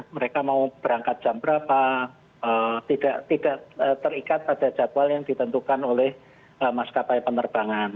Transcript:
mereka mau berangkat jam berapa tidak terikat pada jadwal yang ditentukan oleh maskapai penerbangan